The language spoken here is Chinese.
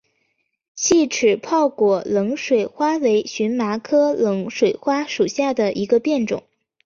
细齿泡果冷水花为荨麻科冷水花属下的一个变种。